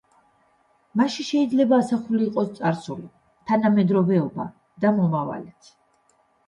მასში შეიძლება ასახული იყოს წარსული, თანამედროვეობა და მომავალიც.